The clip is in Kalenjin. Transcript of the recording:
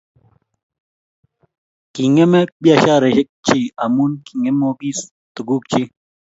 kingemee biasharesheck chi amu kingemokis tuguk chi